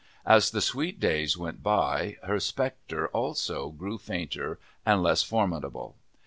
As the sweet days went by, her spectre, also, grew fainter and less formidable.